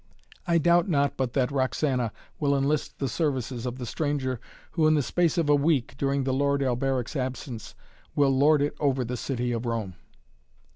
I doubt not but that Roxana will enlist the services of the stranger who in the space of a week, during the lord Alberic's absence, will lord it over the city of Rome!"